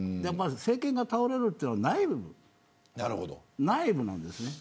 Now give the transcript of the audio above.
政権が倒れるというのはやっぱり内部なんですよね。